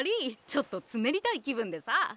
ちょっとつねりたい気分でさ。